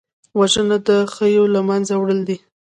وژنه د خوښیو له منځه وړل دي